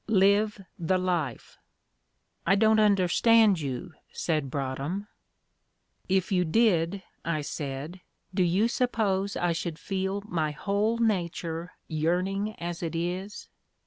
"LIVE THE LIFE." "I don't understand you," said Broadhem. "If you did," I said, "do you suppose I should feel my whole nature yearning as it is?